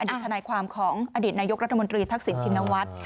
ทนายความของอดีตนายกรัฐมนตรีทักษิณชินวัฒน์